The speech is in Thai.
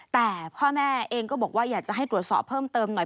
แต่พ่อแม่เองก็บอกว่าอยากจะให้ตรวจสอบเพิ่มเติมหน่อย